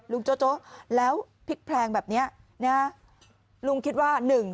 โจ๊ะแล้วพลิกแพลงแบบนี้นะลุงคิดว่าหนึ่ง